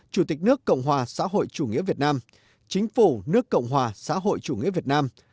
chủ tịch nước cộng hòa xã hội chủ nghĩa việt nam chính phủ nước cộng hòa xã hội chủ nghĩa việt nam